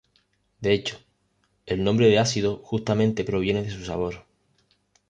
De hecho, el nombre de ácido justamente proviene de su sabor.